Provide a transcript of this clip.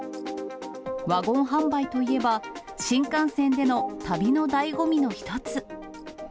ワゴン販売といえば、新幹線での旅のだいご味の一つ。